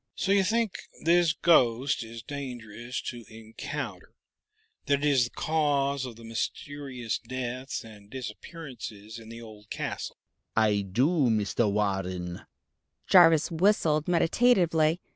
"So you think this ghost is dangerous to encounter that it is the cause of the mysterious deaths and disappearances in the old castle?" "I do, Mr. Warren!" Jarvis whistled meditatively.